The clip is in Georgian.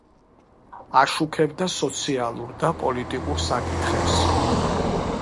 აშუქებდა სოციალურ და პოლიტიკურ საკითხებს.